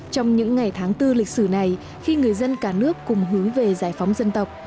trong những ngày tháng bốn lịch sử này khi người dân cả nước cùng hướng về giải phóng dân tộc